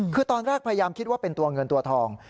คือตอนแรกพยายามคิดว่าเป็นตัวเงินตัวทอง